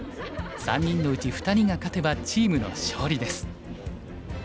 ３人のうち２人が勝てばチームの勝利です。